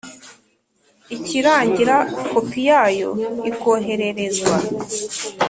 Ikirangira kopi yayo ikohererezwa